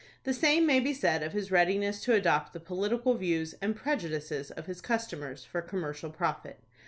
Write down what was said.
The same may be said of his readiness to adopt the political views and prejudices of his customers, for commercial profit.